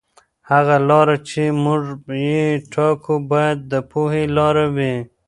هغه لاره چې موږ یې ټاکو باید د پوهې لاره وي.